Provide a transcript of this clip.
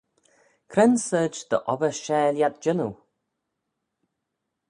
Cre'n sorçh dy obbyr share lhiat jannoo?